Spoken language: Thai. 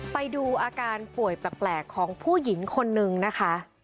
ไปดูอาการป่วยแปลกของผู้หญิงคนนึงนะคะ